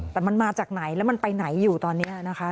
แต่มันมาจากไหนแล้วมันไปไหนอยู่ตอนนี้นะคะ